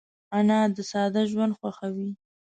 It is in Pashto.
انا د ساده ژوند خوښوي